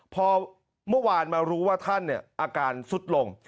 พอเมื่อวานมารู้ว่าท่านอาการสุดลง